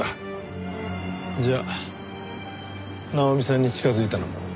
じゃあ奈穂美さんに近づいたのも？